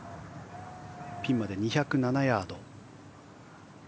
ピンまで２０７ヤード。